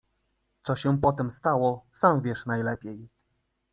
Co się potem stało, sam wiesz najlepiej.